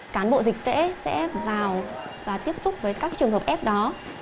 cán bộ dịch tễ sẽ vào và tiếp xúc với các trường hợp f đó